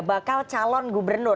bakal calon gubernur